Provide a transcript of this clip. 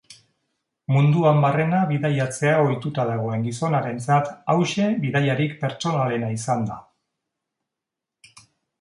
Munduan barrena bidaiatzea ohituta dagoen gizonarentzat hauxe bidaiarik pertsonalena izan da.